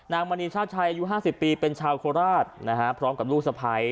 มณีชาติชัยอายุ๕๐ปีเป็นชาวโคราชพร้อมกับลูกสะพ้าย